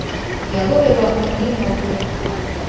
Yagobebwa ku mulimu gwe.